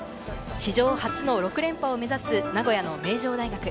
史上初の６連覇を目指す、名古屋の名城大学。